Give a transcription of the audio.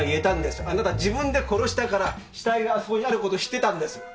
あなた自分で殺したから死体があそこにあることを知ってたんです。